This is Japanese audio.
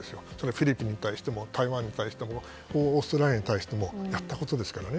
フィリピンに対しても台湾に対してもオーストラリアに対してもやったことですからね。